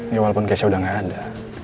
ya walaupun keisha udah gak ada